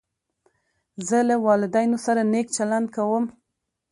زه له والدینو سره نېک چلند کوم.